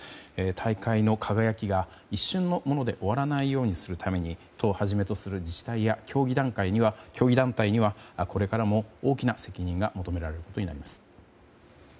大会の輝きが、一瞬のもので終わらないようにするために都をはじめとする自治体や競技団体にはこれからも大きな責任が求められることになります。